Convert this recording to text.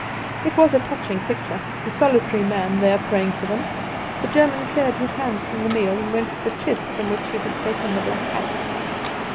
It was a touching picture the solitary man there praying for them. The German cleared his hands from the meal, and went to the chest from which he had taken the black hat.